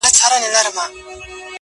ما ورکتل چي د مرګي پياله یې ونوشله!